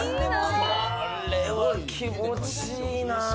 これは気持ちいいな。